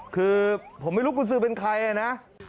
คือผมไม่รู้กุญสือเป็นใครนะ